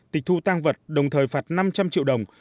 tịch thu tăng vật đồng thời phạt năm trăm linh triệu đồng